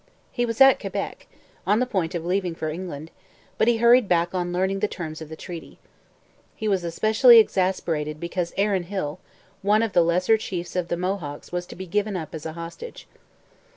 He was at Quebec, on the point of leaving for England, but he hurried back on learning the terms of the treaty. He was especially exasperated because Aaron Hill, one of the lesser chiefs of the Mohawks, was to be given up as a hostage.